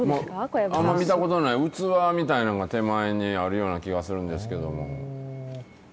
あんま見たことない、器みたいなのが手前にあるような気がするんですけれども。